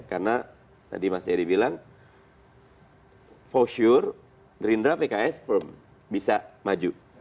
karena tadi mas eri bilang for sure gerindra pks firm bisa maju